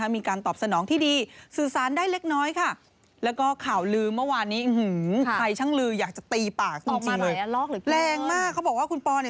มีการตอบฝนองที่ดีสื่อสารได้เล็กน้อยค่ะ